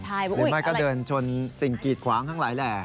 หรือไม่ก็เดินชนสิ่งกีดขวางทั้งหลายแหล่